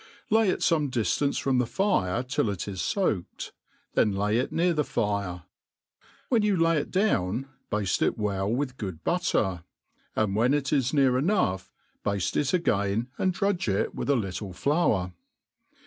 Lay it fome drftance from the firetillit is foaked, then lay it near tht: fire. When you Tay ^ it down, bafte it Well with good butter; ind when it is h^ar chough, bafte it again, and drudge k>ith a little fibur.